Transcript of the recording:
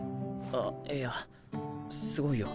あっいやすごいよ。